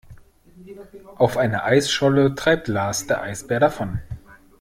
Auf einer Eisscholle treibt Lars der Eisbär davon.